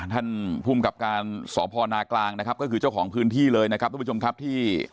ท่านภูมิกับการสพนากลางนะครับก็คือเจ้าของพื้นที่เลยนะครับทุกผู้ชมครับที่